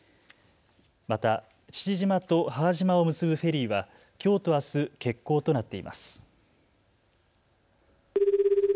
また父島と母島を結ぶフェリーはきょうとあす欠航となっています。